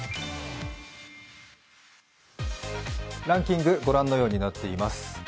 ランキング、御覧のようになっています。